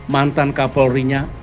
mantan kavalri nya